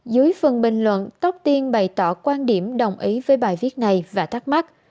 dưới phần bình luận tóc tiên bày tỏ quan điểm đồng ý với bài viết này và thắc mắc